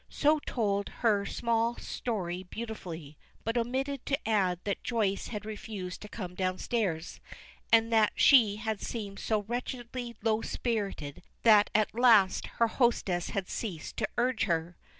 She told her small story beautifully, but omitted to add that Joyce had refused to come downstairs, and that she had seemed so wretchedly low spirited that at last her hostess had ceased to urge her.